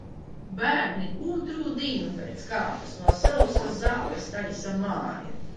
Bērni otro dienu pēc kārtas no sausas zāles taisa māju.